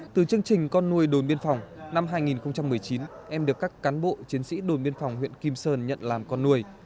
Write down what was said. từ chương trình con nuôi đồn biên phòng năm hai nghìn một mươi chín em được các cán bộ chiến sĩ đồn biên phòng huyện kim sơn nhận làm con nuôi